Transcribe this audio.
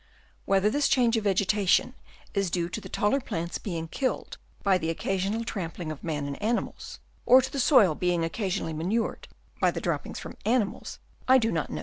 Whether this change of vegetation is due to the taller plants being killed by the occasional trampling of man and animals, or to the soil being occasionally manured by the droppings from animals, I do not know.